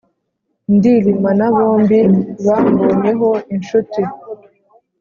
Ndilima na Bombi bambonye ho inshuti.